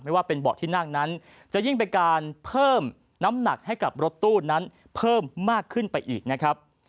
ว่าเป็นเบาะที่นั่งนั้นจะยิ่งเป็นการเพิ่มน้ำหนักให้กับรถตู้นั้นเพิ่มมากขึ้นไปอีกนะครับ